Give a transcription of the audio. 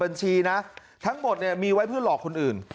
บัญชีนะทั้งหมดเนี่ยมีไว้เพื่อหลอกคนอื่น